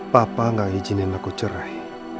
papa gak izinin aku cerai